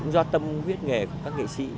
do tâm viết nghề của các nghệ sĩ